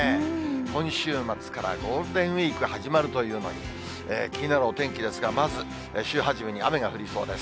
今週末からゴールデンウィーク始まるというのに、気になるお天気ですが、まず週初めに雨が降りそうです。